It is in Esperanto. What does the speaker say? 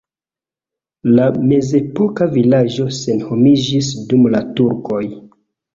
La mezepoka vilaĝo senhomiĝis dum la turkoj.